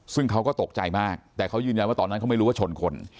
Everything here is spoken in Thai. ซึ่งเขาก็ตกใจมากแต่เขายืนยันว่าตอนนั้นเขาไม่รู้ว่าชนคน